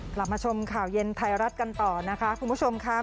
กลับมาชมข่าวเย็นไทยรัฐกันต่อนะคะคุณผู้ชมค่ะ